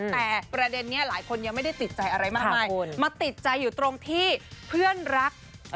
แต่ประเด็นนี้หลายคนยังไม่ได้ติดใจอะไรมากมายมาติดใจอยู่ตรงที่เพื่อนรัก